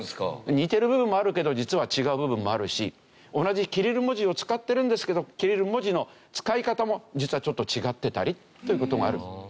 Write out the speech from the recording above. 似てる部分もあるけど実は違う部分もあるし同じキリル文字を使ってるんですけどキリル文字の使い方も実はちょっと違ってたりという事がある。